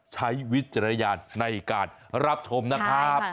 ใช้วิทยาลัยในการรับชมนะครับ